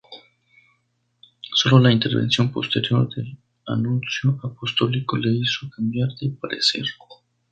Sólo la intervención posterior del nuncio apostólico le hizo cambiar de parecer.